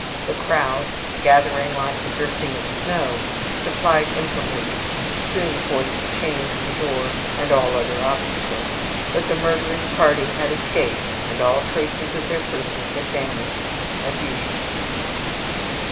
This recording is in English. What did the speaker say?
The crowd, gathering like the drifting of snow, supplied implements which soon forced the chains of the door and all other obstacles. But the murderous party had escaped, and all traces of their persons had vanished, as usual.